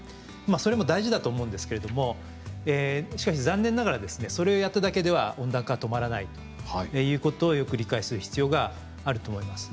それも大事だと思うんですけれどもしかし残念ながらですねそれをやっただけでは温暖化は止まらないということをよく理解する必要があると思います。